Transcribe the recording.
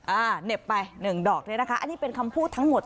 เหน็บไปหนึ่งดอกเนี่ยนะคะอันนี้เป็นคำพูดทั้งหมด